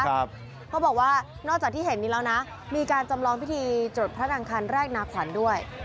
เขาบอกว่านอกจากที่เห็นนี้แล้วนะมีการจำลองพิธีจดพระนางคันแรกนาขวัญด้วย